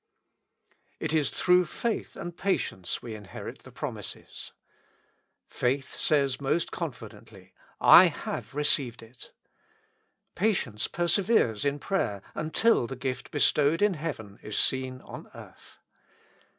It is "through faith and patience we inherit the promises." Faith says most confidently, I have received it. Patience perseveres in prayer until the gift bestowed in heaven is seen on earth.